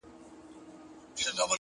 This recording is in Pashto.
وخت د غفلت حساب اخلي,